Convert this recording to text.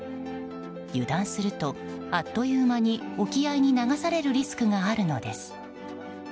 油断すると、あっというまに沖合に流されるリスクがあるのです。